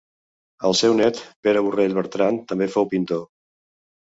El seu nét Pere Borrell Bertran també fou pintor.